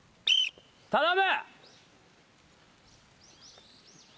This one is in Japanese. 頼む！